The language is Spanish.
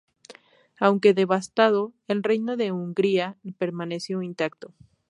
Aunque devastado, el reino de Hungría permaneció intacto.